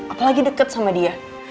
apalagi deket sama dia